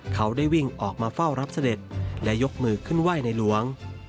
เขาได้วิ่งออกมาเฝ้ารับเสด็จและยกมือขึ้นไหว้ในหลวง